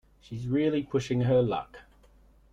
She's really pushing her luck!